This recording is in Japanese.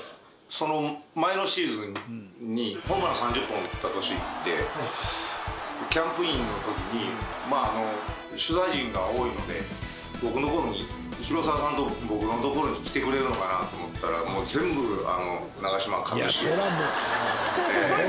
その前のシーズンに、ホームラン３０本打った年って、キャンプインのときに、取材陣が多いので、僕のほうに広澤さんと僕のところに来てくれるのかなと思ったら、もう全部、長嶋一茂よ。